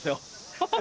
ハハハ！